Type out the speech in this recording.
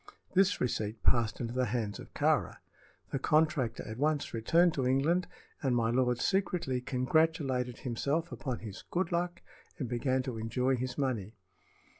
This receipt passed into the hands of Kāra. The contractor at once returned to England, and my lord secretly congratulated himself upon his "good luck" and began to enjoy his money.